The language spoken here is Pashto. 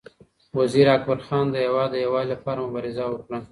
وزیر اکبر خان د هېواد د یووالي لپاره مبارزه وکړه.